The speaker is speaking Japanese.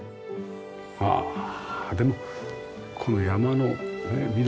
ああでもこの山のね緑。